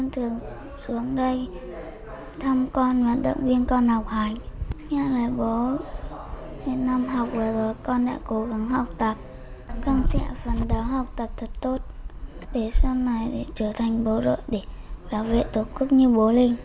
thường năm học vừa rồi con đã cố gắng học tập các con sẽ phấn đấu học tập thật tốt để sau này trở thành bố rợn để bảo vệ tổ quốc như bố linh